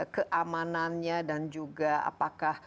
keamanannya dan juga apakah